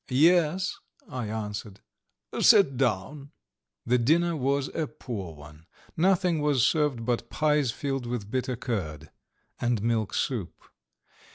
"Yes," I answered. "Sit down." The dinner was a poor one. Nothing was served but pies filled with bitter curd, and milk soup.